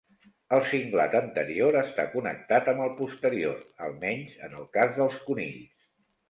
El cinglat anterior està connectat amb el posterior, almenys en el cas dels conills.